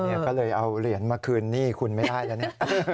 เออก็เลยเอาเหรียญมาคืนนี่คุณไม่ได้นะ